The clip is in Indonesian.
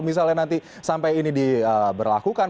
misalnya nanti sampai ini diberlakukan